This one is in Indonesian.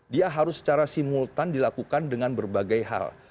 dia harus secara simultan dilakukan dengan berbagai hal